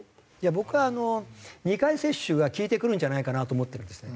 僕はあの２回接種が効いてくるんじゃないかなと思ってるんですね。